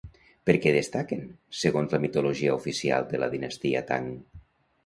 Per què destaquen, segons la mitologia oficial de la dinastia Tang?